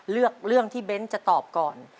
เลือกเรื่องที่เบ้นจะตอบก่อน